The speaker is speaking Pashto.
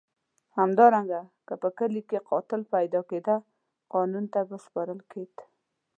همدارنګه که په کلي کې قاتل پیدا کېده قانون ته به سپارل کېد.